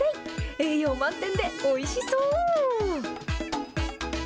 栄養満点でおいしそう。